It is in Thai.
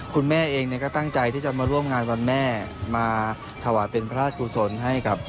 คุณแม่เองก็ตั้งใจที่จะมาร่วมงานวันแม่มาถวายเป็นพระราชกุศลให้กับ